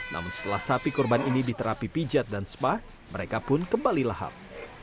namun setelah sapi korban ini diterapi pijat dan spa mereka pun kembali lahap